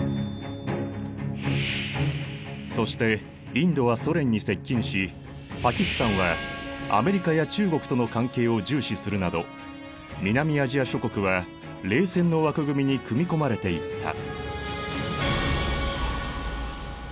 そしてインドはソ連に接近しパキスタンはアメリカや中国との関係を重視するなど南アジア諸国は冷戦の枠組みに組み込まれていった。